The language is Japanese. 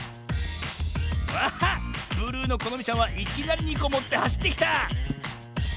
あっブルーのこのみちゃんはいきなり２こもってはしってきた！